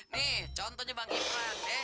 nih contohnya bang ipran be